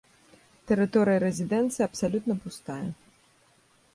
Тэрыторыя рэзідэнцыі абсалютна пустая.